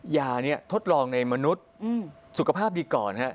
ยานี้ทดลองในมนุษย์สุขภาพดีก่อนฮะ